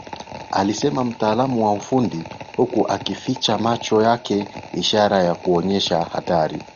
Alisema mtaalamu wa ufundi huku akifikicha macho yake ishara ya kuonyesha hatari